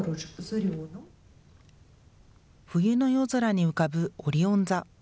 冬の夜空に浮かぶオリオン座。